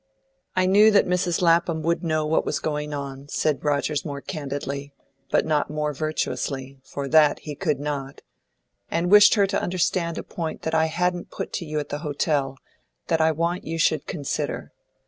"I knew that Mrs. Lapham would know what was going on," said Rogers more candidly, but not more virtuously, for that he could not, "and I wished her to understand a point that I hadn't put to you at the hotel, and that I want you should consider.